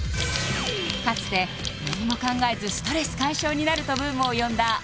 かつて何も考えずストレス解消になるとブームを呼んだ∞